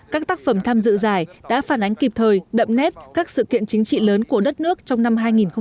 các tác phẩm tham dự giải đã phản ánh kịp thời đậm nét các sự kiện chính trị lớn của đất nước trong năm hai nghìn một mươi chín